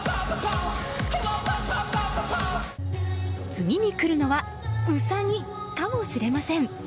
次に来るのはウサギかもしれません。